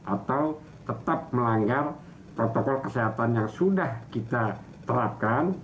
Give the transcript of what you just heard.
atau tetap melanggar protokol kesehatan yang sudah kita terapkan